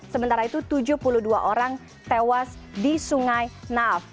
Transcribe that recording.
sementara itu tujuh puluh dua orang tewas di sungai nav